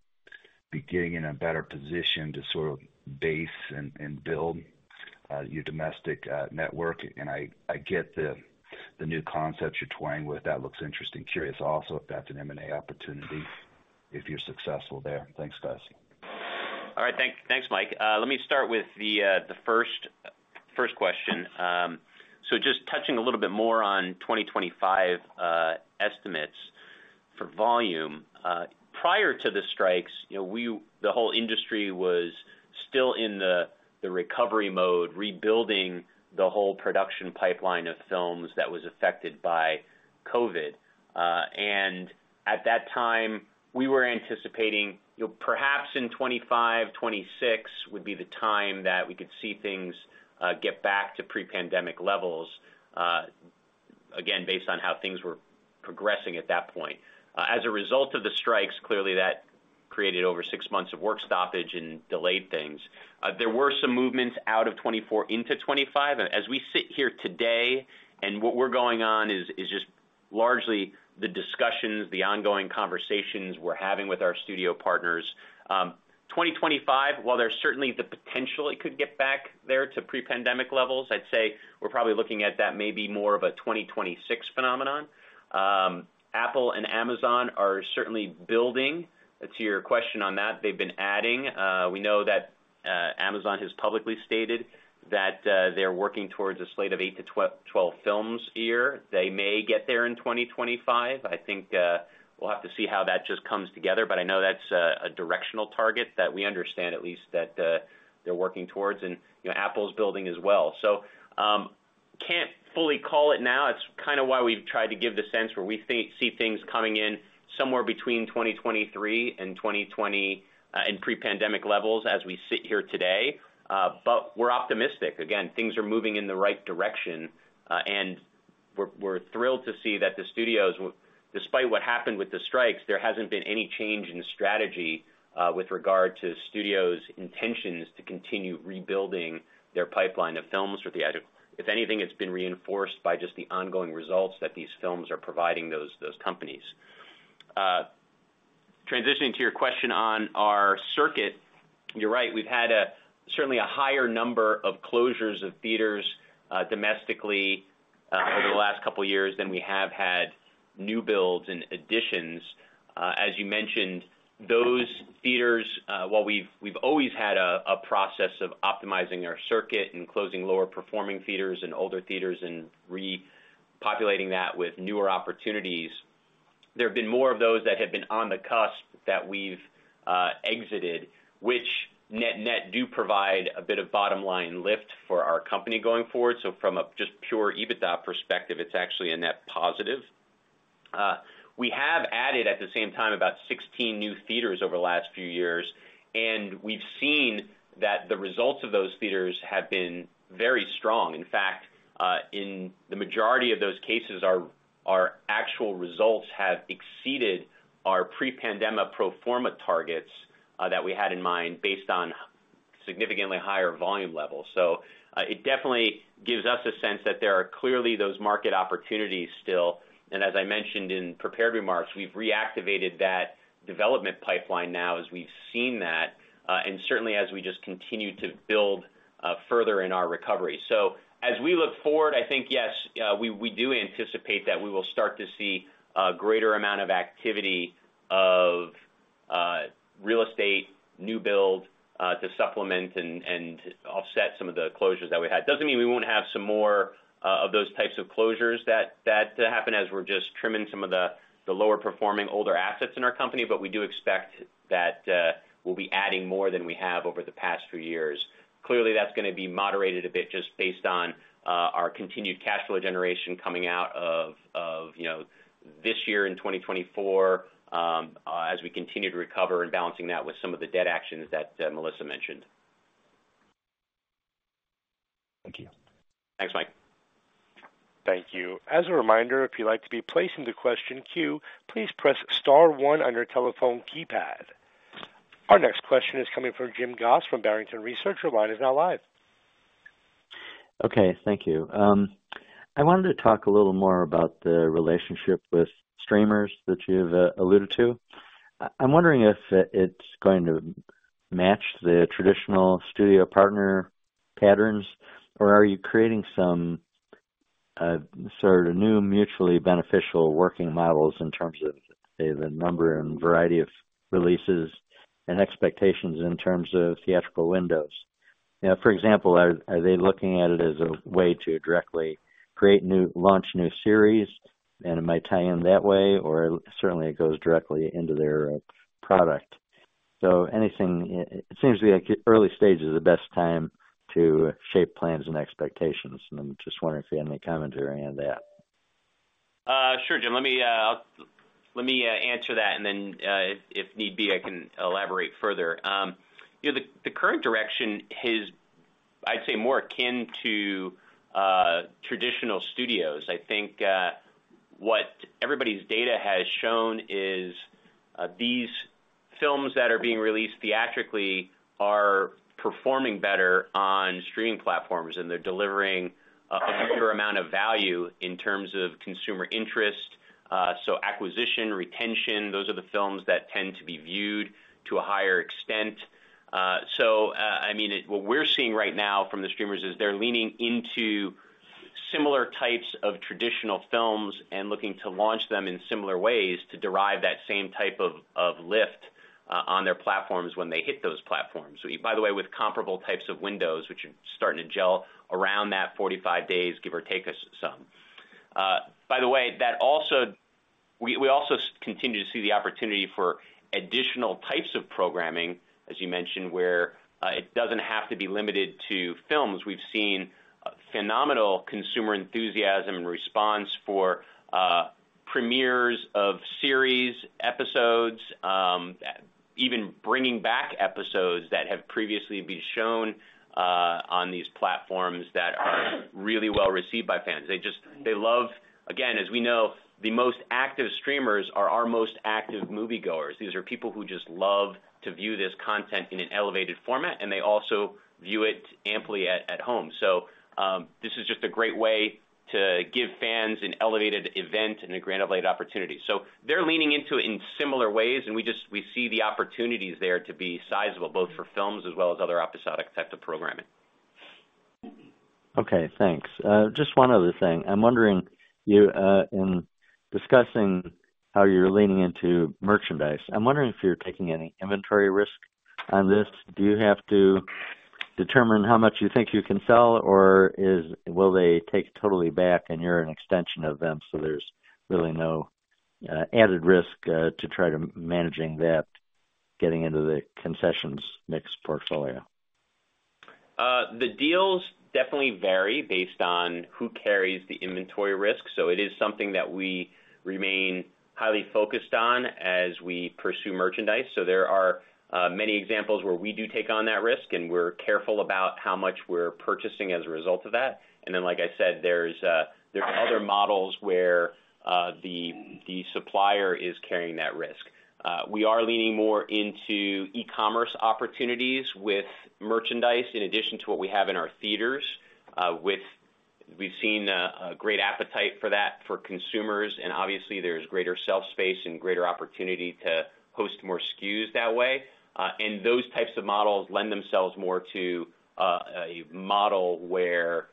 [SPEAKER 8] beginning in a better position to sort of base and build your domestic network? I get the new concepts you're toying with. That looks interesting. Curious also if that's an M&A opportunity, if you're successful there. Thanks, guys.
[SPEAKER 3] All right. Thanks, Mike. Let me start with the first question. So just touching a little bit more on 2025 estimates for volume. Prior to the strikes, the whole industry was still in the recovery mode, rebuilding the whole production pipeline of films that was affected by COVID. And at that time, we were anticipating perhaps in 2025, 2026 would be the time that we could see things get back to pre-pandemic levels, again, based on how things were progressing at that point. As a result of the strikes, clearly, that created over 6 months of work stoppage and delayed things. There were some movements out of 2024 into 2025. And as we sit here today and what we're going on is just largely the discussions, the ongoing conversations we're having with our studio partners. 2025, while there's certainly the potential it could get back there to pre-pandemic levels, I'd say we're probably looking at that maybe more of a 2026 phenomenon. Apple and Amazon are certainly building. To your question on that, they've been adding. We know that Amazon has publicly stated that they're working towards a slate of 8 to 12 films a year. They may get there in 2025. I think we'll have to see how that just comes together. But I know that's a directional target that we understand, at least, that they're working towards. And Apple's building as well. So can't fully call it now. It's kind of why we've tried to give the sense where we see things coming in somewhere between 2023 and pre-pandemic levels as we sit here today. But we're optimistic. Again, things are moving in the right direction, and we're thrilled to see that the studios, despite what happened with the strikes, there hasn't been any change in strategy with regard to studios' intentions to continue rebuilding their pipeline of films. If anything, it's been reinforced by just the ongoing results that these films are providing those companies. Transitioning to your question on our circuit, you're right. We've had certainly a higher number of closures of theaters domestically over the last couple of years than we have had new builds and additions. As you mentioned, those theaters, while we've always had a process of optimizing our circuit and closing lower-performing theaters and older theaters and repopulating that with newer opportunities, there have been more of those that have been on the cusp that we've exited, which net-net do provide a bit of bottom-line lift for our company going forward. From a just pure EBITDA perspective, it's actually a net positive. We have added, at the same time, about 16 new theaters over the last few years, and we've seen that the results of those theaters have been very strong. In fact, in the majority of those cases, our actual results have exceeded our pre-pandemic pro forma targets that we had in mind based on significantly higher volume levels. So it definitely gives us a sense that there are clearly those market opportunities still. And as I mentioned in prepared remarks, we've reactivated that development pipeline now as we've seen that and certainly as we just continue to build further in our recovery. So as we look forward, I think, yes, we do anticipate that we will start to see a greater amount of activity of real estate, new build to supplement and offset some of the closures that we had. Doesn't mean we won't have some more of those types of closures that happen as we're just trimming some of the lower-performing, older assets in our company. But we do expect that we'll be adding more than we have over the past few years. Clearly, that's going to be moderated a bit just based on our continued cash flow generation coming out of this year in 2024 as we continue to recover and balancing that with some of the debt actions that Melissa mentioned.
[SPEAKER 8] Thank you.
[SPEAKER 3] Thanks, Mike.
[SPEAKER 1] Thank you. As a reminder, if you'd like to be placed into question queue, please press star one on your telephone keypad. Our next question is coming from Jim Goss from Barrington Research. Your line is now live.
[SPEAKER 9] Okay. Thank you. I wanted to talk a little more about the relationship with streamers that you've alluded to. I'm wondering if it's going to match the traditional studio partner patterns, or are you creating some sort of new mutually beneficial working models in terms of, say, the number and variety of releases and expectations in terms of theatrical windows? For example, are they looking at it as a way to directly launch new series, and it might tie in that way? Or certainly, it goes directly into their product. So it seems to me like early stage is the best time to shape plans and expectations. And I'm just wondering if you had any commentary on that.
[SPEAKER 3] Sure, Jim. Let me answer that, and then if need be, I can elaborate further. The current direction is, I'd say, more akin to traditional studios. I think what everybody's data has shown is these films that are being released theatrically are performing better on streaming platforms, and they're delivering a greater amount of value in terms of consumer interest. So acquisition, retention, those are the films that tend to be viewed to a higher extent. So I mean, what we're seeing right now from the streamers is they're leaning into similar types of traditional films and looking to launch them in similar ways to derive that same type of lift on their platforms when they hit those platforms. By the way, with comparable types of windows, which are starting to gel around that 45 days, give or take some. By the way, we also continue to see the opportunity for additional types of programming, as you mentioned, where it doesn't have to be limited to films. We've seen phenomenal consumer enthusiasm and response for premieres of series episodes, even bringing back episodes that have previously been shown on these platforms that are really well received by fans. They love, again, as we know, the most active streamers are our most active moviegoers. These are people who just love to view this content in an elevated format, and they also view it amply at home. So this is just a great way to give fans an elevated event and a grandly elevated opportunity. So they're leaning into it in similar ways, and we see the opportunities there to be sizable, both for films as well as other episodic types of programming.
[SPEAKER 9] Okay. Thanks. Just one other thing. I'm wondering, in discussing how you're leaning into merchandise, I'm wondering if you're taking any inventory risk on this. Do you have to determine how much you think you can sell, or will they take totally back, and you're an extension of them, so there's really no added risk to try to manage that getting into the concessions mixed portfolio?
[SPEAKER 3] The deals definitely vary based on who carries the inventory risk. So it is something that we remain highly focused on as we pursue merchandise. So there are many examples where we do take on that risk, and we're careful about how much we're purchasing as a result of that. And then, like I said, there's other models where the supplier is carrying that risk. We are leaning more into e-commerce opportunities with merchandise in addition to what we have in our theaters. We've seen a great appetite for that for consumers, and obviously, there's greater shelf space and greater opportunity to host more SKUs that way. And those types of models lend themselves more to a model where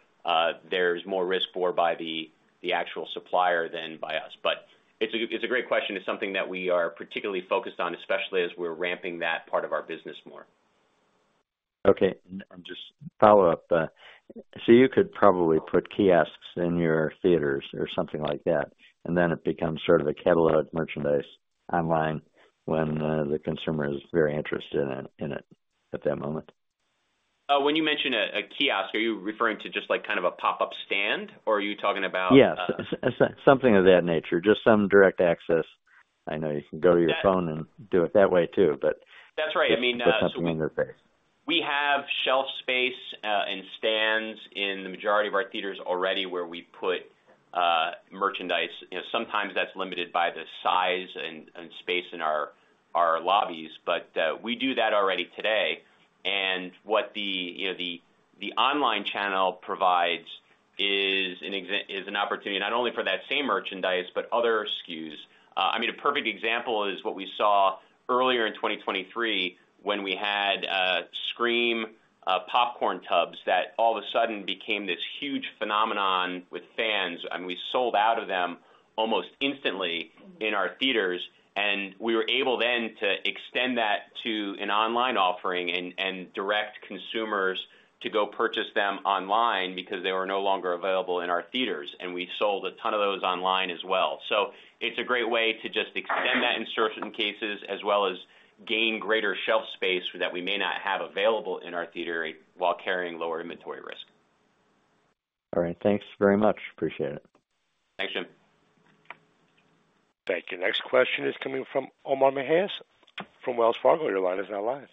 [SPEAKER 3] there's more risk borne by the actual supplier than by us. But it's a great question. It's something that we are particularly focused on, especially as we're ramping that part of our business more.
[SPEAKER 9] Okay. And just follow-up. So you could probably put kiosks in your theaters or something like that, and then it becomes sort of a catalog merchandise online when the consumer is very interested in it at that moment?
[SPEAKER 3] When you mention a kiosk, are you referring to just kind of a pop-up stand, or are you talking about?
[SPEAKER 9] Yes. Something of that nature. Just some direct access. I know you can go to your phone and do it that way too, but.
[SPEAKER 3] That's right. I mean, so.
[SPEAKER 9] Just put something in their face.
[SPEAKER 3] We have shelf space and stands in the majority of our theaters already where we put merchandise. Sometimes that's limited by the size and space in our lobbies, but we do that already today. What the online channel provides is an opportunity not only for that same merchandise but other SKUs. I mean, a perfect example is what we saw earlier in 2023 when we had Scream popcorn tubs that all of a sudden became this huge phenomenon with fans. I mean, we sold out of them almost instantly in our theaters, and we were able then to extend that to an online offering and direct consumers to go purchase them online because they were no longer available in our theaters. We sold a ton of those online as well. So it's a great way to just extend that in certain cases as well as gain greater shelf space that we may not have available in our theater while carrying lower inventory risk.
[SPEAKER 9] All right. Thanks very much. Appreciate it.
[SPEAKER 3] Thanks, Jim.
[SPEAKER 1] Thank you. Next question is coming from Omar Mejias from Wells Fargo. Your line is now live.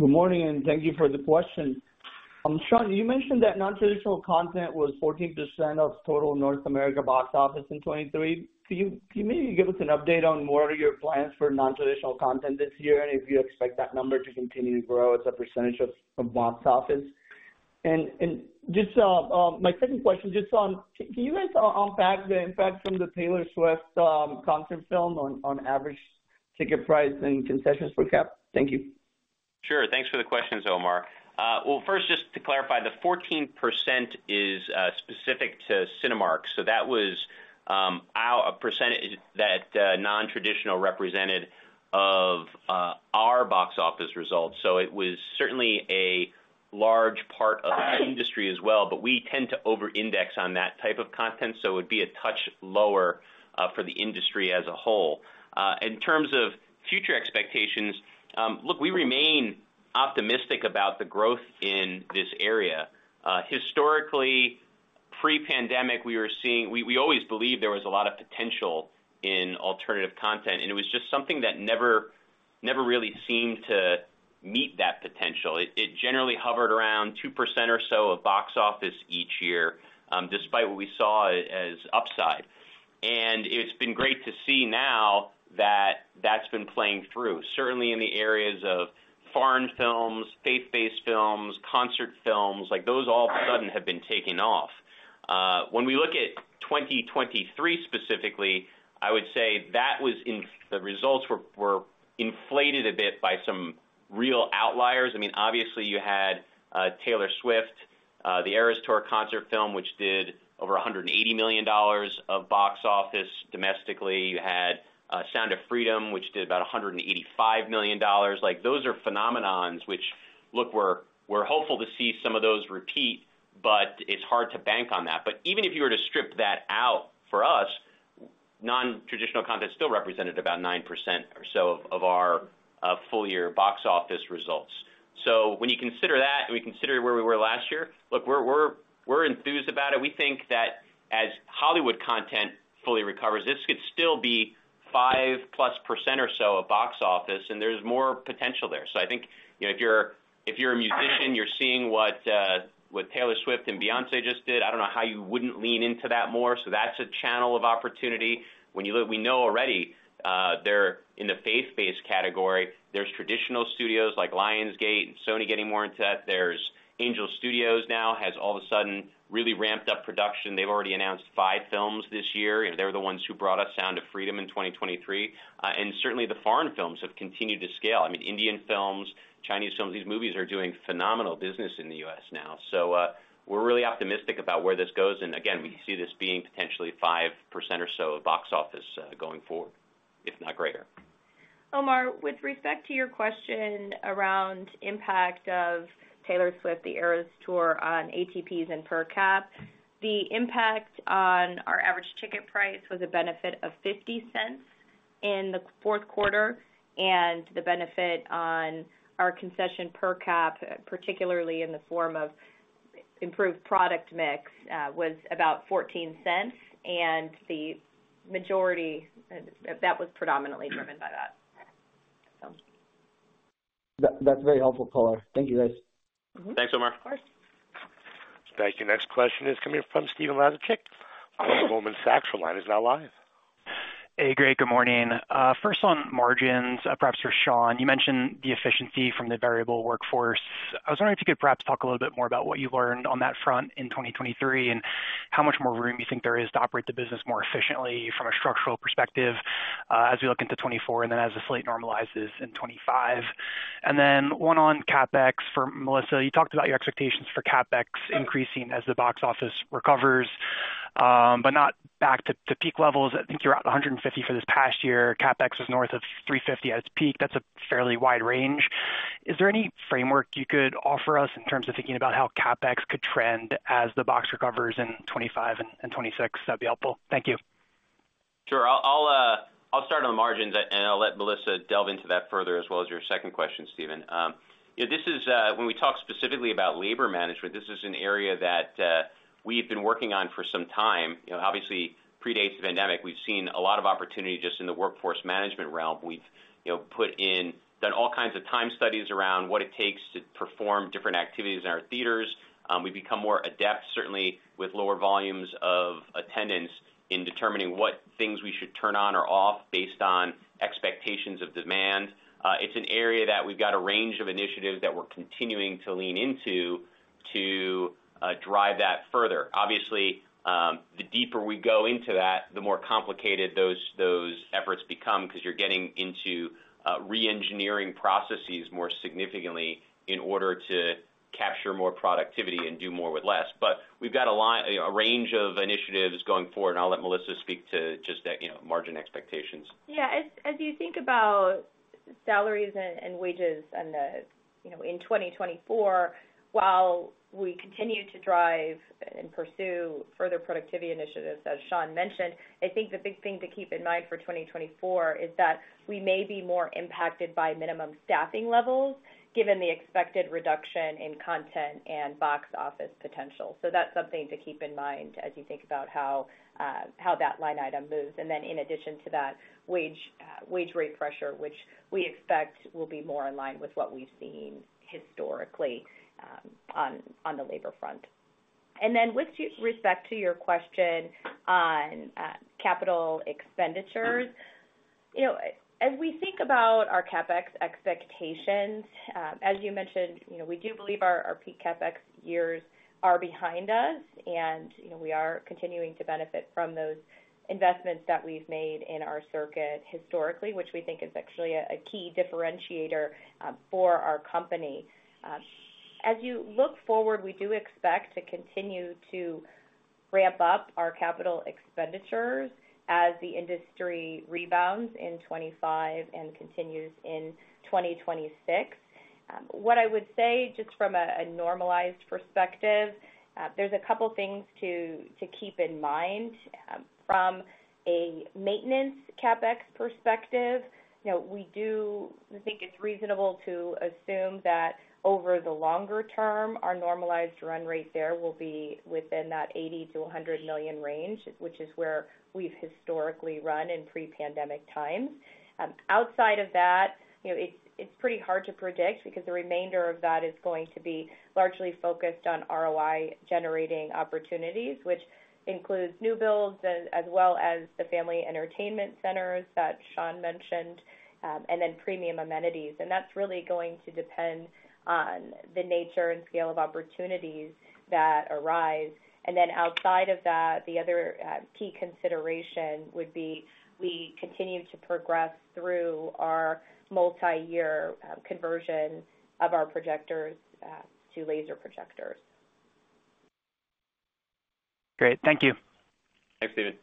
[SPEAKER 10] Good morning, and thank you for the question. Sean, you mentioned that non-traditional content was 14% of total North America box office in 2023. Can you maybe give us an update on what are your plans for non-traditional content this year and if you expect that number to continue to grow as a percentage of box office? And my second question, just can you guys unpack the impact from the Taylor Swift concert film on average ticket price and concessions per cap? Thank you.
[SPEAKER 3] Sure. Thanks for the questions, Omar. Well, first, just to clarify, the 14% is specific to Cinemark. So that was a percentage that non-traditional represented of our box office results. So it was certainly a large part of the industry as well, but we tend to over-index on that type of content, so it would be a touch lower for the industry as a whole. In terms of future expectations, look, we remain optimistic about the growth in this area. Historically, pre-pandemic, we always believed there was a lot of potential in alternative content, and it was just something that never really seemed to meet that potential. It generally hovered around 2% or so of box office each year despite what we saw as upside. And it's been great to see now that that's been playing through, certainly in the areas of foreign films, faith-based films, concert films. Those all of a sudden have been taken off. When we look at 2023 specifically, I would say the results were inflated a bit by some real outliers. I mean, obviously, you had Taylor Swift: The Eras Tour concert film, which did over $180 million of box office domestically. You had Sound of Freedom, which did about $185 million. Those are phenomenons which, look, we're hopeful to see some of those repeat, but it's hard to bank on that. But even if you were to strip that out for us, non-traditional content still represented about 9% or so of our full-year box office results. So when you consider that and we consider where we were last year, look, we're enthused about it. We think that as Hollywood content fully recovers, this could still be 5%+ or so of box office, and there's more potential there. So I think if you're a musician, you're seeing what Taylor Swift and Beyoncé just did. I don't know how you wouldn't lean into that more. So that's a channel of opportunity. We know already in the faith-based category, there's traditional studios like Lionsgate and Sony getting more into that. There's Angel Studios now, has all of a sudden really ramped up production. They've already announced five films this year. They were the ones who brought us Sound of Freedom in 2023. And certainly, the foreign films have continued to scale. I mean, Indian films, Chinese films, these movies are doing phenomenal business in the US now. So we're really optimistic about where this goes. And again, we see this being potentially 5% or so of box office going forward, if not greater.
[SPEAKER 11] Omar, with respect to your question around impact of Taylor Swift: The Eras Tour on ATPs and per cap, the impact on our average ticket price was a benefit of $0.50 in the Q4, and the benefit on our concession per cap, particularly in the form of improved product mix, was about $0.14. And that was predominantly driven by that, so.
[SPEAKER 10] That's very helpful, Paula. Thank you guys.
[SPEAKER 3] Thanks, Omar.
[SPEAKER 11] Of course.
[SPEAKER 1] Thank you. Next question is coming from Stephen Laszczyk. Your line is now live.
[SPEAKER 12] Hey, great. Good morning. First on margins, perhaps for Sean, you mentioned the efficiency from the variable workforce. I was wondering if you could perhaps talk a little bit more about what you learned on that front in 2023 and how much more room you think there is to operate the business more efficiently from a structural perspective as we look into 2024 and then as the slate normalizes in 2025. And then one on CapEx. For Melissa, you talked about your expectations for CapEx increasing as the box office recovers, but not back to peak levels. I think you're at $150 for this past year. CapEx was north of $350 at its peak. That's a fairly wide range. Is there any framework you could offer us in terms of thinking about how CapEx could trend as the box recovers in 2025 and 2026? That'd be helpful. Thank you.
[SPEAKER 3] Sure. I'll start on the margins, and I'll let Melissa delve into that further as well as your second question, Stephen. When we talk specifically about labor management, this is an area that we've been working on for some time. Obviously, predates the pandemic. We've seen a lot of opportunity just in the workforce management realm. We've done all kinds of time studies around what it takes to perform different activities in our theaters. We've become more adept, certainly with lower volumes of attendance, in determining what things we should turn on or off based on expectations of demand. It's an area that we've got a range of initiatives that we're continuing to lean into to drive that further. Obviously, the deeper we go into that, the more complicated those efforts become because you're getting into re-engineering processes more significantly in order to capture more productivity and do more with less. But we've got a range of initiatives going forward, and I'll let Melissa speak to just margin expectations.
[SPEAKER 11] Yeah. As you think about salaries and wages in 2024, while we continue to drive and pursue further productivity initiatives, as Sean mentioned, I think the big thing to keep in mind for 2024 is that we may be more impacted by minimum staffing levels given the expected reduction in content and box office potential. So that's something to keep in mind as you think about how that line item moves. And then, in addition to that, wage rate pressure, which we expect will be more in line with what we've seen historically on the labor front. And then, with respect to your question on capital expenditures, as we think about our CapEx expectations, as you mentioned, we do believe our peak CapEx years are behind us, and we are continuing to benefit from those investments that we've made in our circuit historically, which we think is actually a key differentiator for our company. As you look forward, we do expect to continue to ramp up our capital expenditures as the industry rebounds in 2025 and continues in 2026. What I would say just from a normalized perspective, there's a couple of things to keep in mind. From a maintenance CapEx perspective, we do think it's reasonable to assume that over the longer term, our normalized run rate there will be within that $80 million-$100 million range, which is where we've historically run in pre-pandemic times. Outside of that, it's pretty hard to predict because the remainder of that is going to be largely focused on ROI-generating opportunities, which includes new builds as well as the family entertainment centers that Sean mentioned, and then premium amenities. And that's really going to depend on the nature and scale of opportunities that arise. And then, outside of that, the other key consideration would be we continue to progress through our multi-year conversion of our projectors to laser projectors.
[SPEAKER 12] Great. Thank you.
[SPEAKER 3] Thanks, Stephen.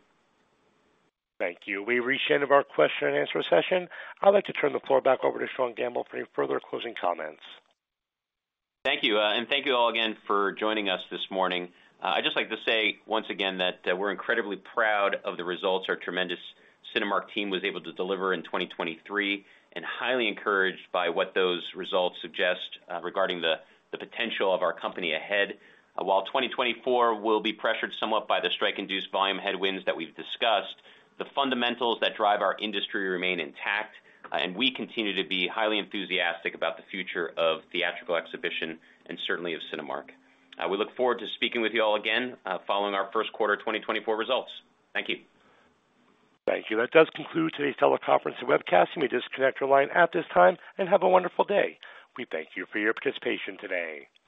[SPEAKER 1] Thank you. We reached the end of our question-and-answer session. I'd like to turn the floor back over to Sean Gamble for any further closing comments.
[SPEAKER 3] Thank you. Thank you all again for joining us this morning. I'd just like to say once again that we're incredibly proud of the results our tremendous Cinemark team was able to deliver in 2023 and highly encouraged by what those results suggest regarding the potential of our company ahead. While 2024 will be pressured somewhat by the strike-induced volume headwinds that we've discussed, the fundamentals that drive our industry remain intact, and we continue to be highly enthusiastic about the future of theatrical exhibition and certainly of Cinemark. We look forward to speaking with you all again following our Q1 2024 results. Thank you.
[SPEAKER 1] Thank you. That does conclude today's teleconference and webcasting. We disconnect our line at this time and have a wonderful day. We thank you for your participation today.